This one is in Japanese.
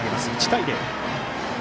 １対０。